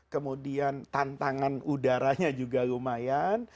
kemudian tantangan udaranya juga lumayan